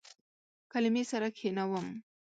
کلمې سره کښینوم